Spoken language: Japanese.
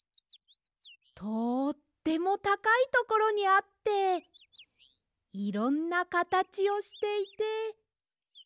とってもたかいところにあっていろんなかたちをしていて。